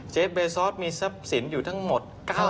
เบซอสมีทรัพย์สินอยู่ทั้งหมด